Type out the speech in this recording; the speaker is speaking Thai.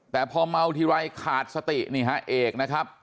แต่พอเมาทีไรขาดสตินี่ฮะเอกนะครับ